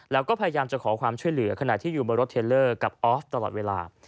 แล้วก็พยายามจะขอความช่วยเหลือขณะที่อยู่บนรถเทลเลอร์กับออฟตลอดเวลา